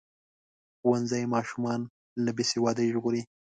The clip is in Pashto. ښوونځی ماشومان له بې سوادۍ ژغوري.